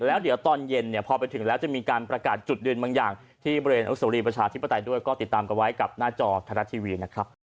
แล้วเดี๋ยวตอนเย็นเนี่ยพอไปถึงแล้วจะมีการประกาศจุดยืนบางอย่างที่บริเวณอนุโสรีประชาธิปไตยด้วยก็ติดตามกันไว้กับหน้าจอไทยรัฐทีวีนะครับ